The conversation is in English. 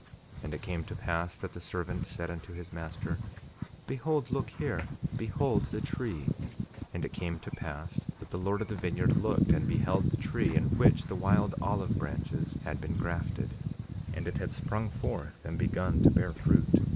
And it came to pass that the servant said unto his master: Behold, look here; behold the tree. 5:17 And it came to pass that the Lord of the vineyard looked and beheld the tree in the which the wild olive branches had been grafted; and it had sprung forth and begun to bear fruit.